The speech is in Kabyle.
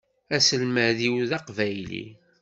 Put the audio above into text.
Aselmad-iw d aqbayli.